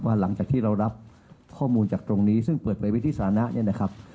หลังจากที่เรารับข้อมูลจากตรงนี้ซึ่งเปิดไปวิธีสานะเนี่ยนะครับ